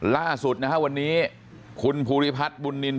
ล่าสุดนะฮะวันนี้คุณภูริพัฒน์บุญนิน